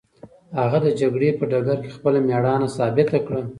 هغه د جګړې په ډګر کې خپله مېړانه ثابته کړه.